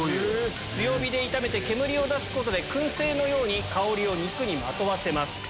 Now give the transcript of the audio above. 強火で炒めて煙を出すことで燻製のように香りを肉にまとわせます。